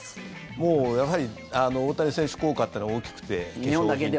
もうやはり、大谷選手効果というのは大きくて化粧品とか。